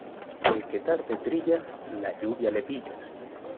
El que tarde trilla, la lluvia le pilla.